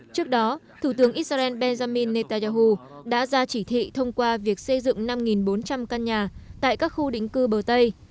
trước đó thủ tướng israel benjamin netanyahu đã ra chỉ thị thông qua việc xây dựng năm bốn trăm linh căn nhà tại các khu định cư bờ tây